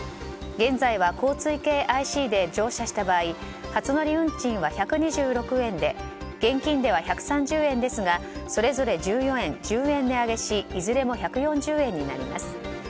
現在は、交通系ＩＣで乗車した場合初乗り運賃は１２６円で現金では１３０円ですがそれぞれ１４円、１０円値上げしいずれも１４０円になります。